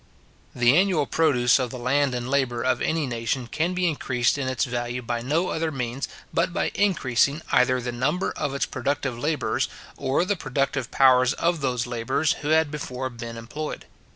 The annual produce of the land and labour of any nation can be increased in its value by no other means, but by increasing either the number of its productive labourers, or the productive powers of those labourers who had before been employed.